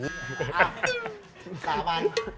สาบัน